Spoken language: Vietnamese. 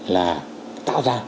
là tạo ra